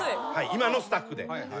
今のスタッフで。